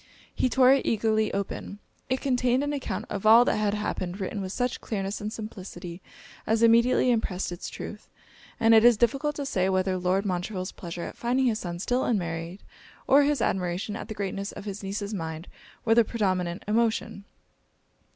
He tore it eagerly open it contained an account of all that had happened, written with such clearness and simplicity as immediately impressed it's truth; and it is difficult to say whether Lord Montreville's pleasure at finding his son still unmarried, or his admiration at the greatness of his niece's mind, were the predominant emotion.